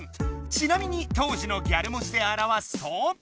ちなみに当時のギャル文字であらわすと？